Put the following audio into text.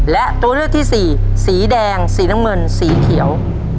และตัวเลือกที่สี่สีแดงสีน้ำเงินสีเขียว